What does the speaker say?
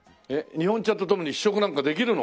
日本茶とともに試食なんかできるの？